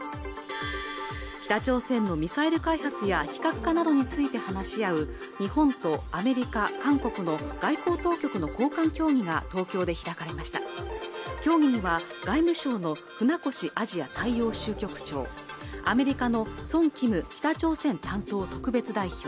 北朝鮮のミサイル開発や非核化などについて話し合う日本とアメリカ韓国の外交当局の高官協議が東京で開かれました協議には外務省の船越アジア大洋州局長アメリカのソン・キム北朝鮮担当特別代表